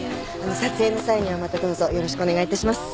撮影の際にはまたどうぞよろしくお願いいたします。